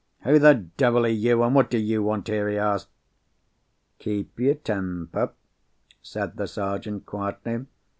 "Who the devil are you? and what do you want here?" he asked. "Keep your temper," said the Sergeant, quietly.